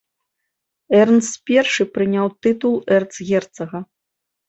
Эрнст першы прыняў тытул эрцгерцага.